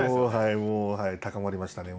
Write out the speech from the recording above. もうはい高まりましたね。